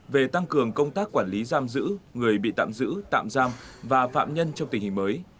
về tăng cường công tác quản lý giam giữ người bị tạm giữ tạm giam và phạm nhân trong tình hình mới